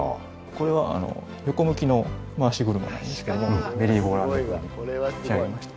これは横向きの回し車なんですけどもメリーゴーラウンド風に仕上げました。